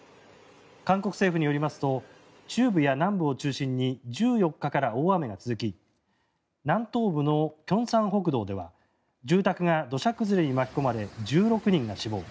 韓国政府によりますと中部や南部を中心に１４日から大雨が続き南東部の慶尚北道では住宅が土砂崩れに巻き込まれ１６人が死亡。